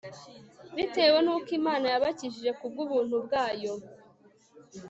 bitewe n'uko imana yabakijije kubw'ubuntu bwayo